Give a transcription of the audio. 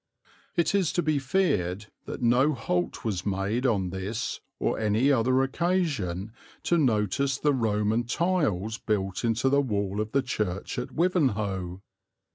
It is to be feared that no halt was made on this or any other occasion to notice the Roman tiles built into the wall of the church at Wivenhoe.